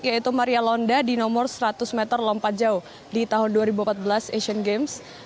yaitu maria londa di nomor seratus meter lompat jauh di tahun dua ribu empat belas asian games